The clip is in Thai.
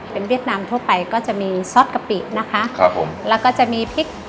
เป็นเวียดนามทั่วไปก็จะมีซอสกะปินะคะครับผมแล้วก็จะมีพริก